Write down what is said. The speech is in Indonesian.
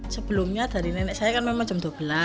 sebelumnya dari nenek saya kan memang jam dua belas